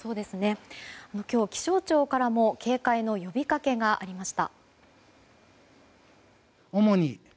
今日、気象庁からも警戒の呼びかけがありました。